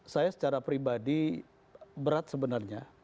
saya secara pribadi berat sebenarnya